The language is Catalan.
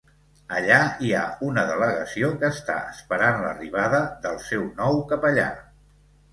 Allà hi ha una delegació que està esperant l'arribada del seu nou capellà.